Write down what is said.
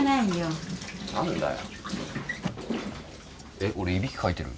えっ俺いびきかいてる？